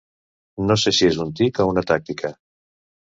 No sé si és un tic o una tàctica.